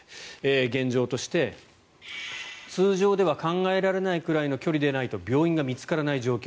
現状として通常では考えられないくらいの距離でないと病院が見つからない状況